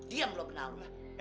dia yang meluk nalu